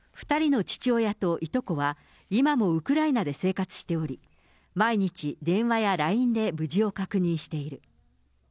２人の父親といとこは、今もウクライナで生活しており、毎日、電話やＬＩＮＥで無事を確認している。